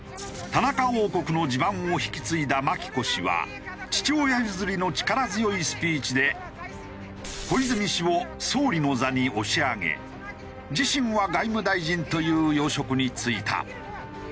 田中王国の地盤を引き継いだ眞紀子氏は父親譲りの力強いスピーチで小泉氏を総理の座に押し上げ自身は外務大臣という要職に就いた。